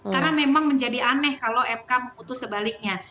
karena memang menjadi aneh kalau mk memutus sebaliknya